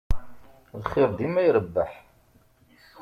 Lxir dima irebbeḥ.